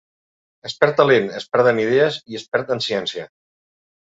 Es perd talent, es perden idees i es perd en ciència.